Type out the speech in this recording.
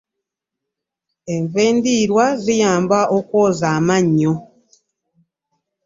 Enva endiirwa ziyamba okwoza amannyo.